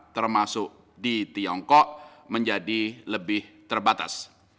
termasuk di tiongkok menjadi lebih terbatas